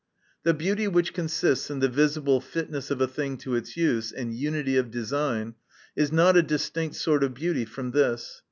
The beauty which consists in the visible fitness of a thing to its use and unity of design, is not a distinct sort of beauty from this.